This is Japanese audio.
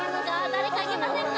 誰かいけませんか？